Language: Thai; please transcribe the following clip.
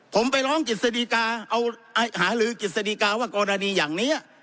ผมไปร้องกฤษฎีกาเอาหาลือกฤษฎีกาว่ากรณีอย่างนี้